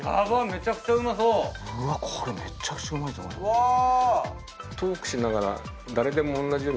めちゃくちゃうまいと思うよ。